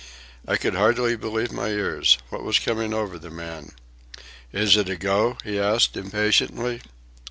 I could hardly believe my ears. What was coming over the man? "Is it a go?" he asked impatiently.